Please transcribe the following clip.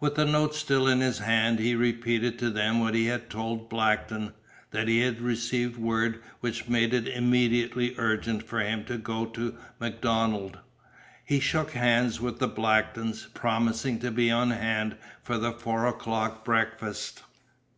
With the note still in his hand he repeated to them what he had told Blackton that he had received word which made it immediately urgent for him to go to MacDonald. He shook hands with the Blacktons, promising to be on hand for the four o'clock breakfast.